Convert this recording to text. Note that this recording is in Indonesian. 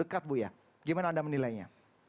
berkat buya gimana anda menilainya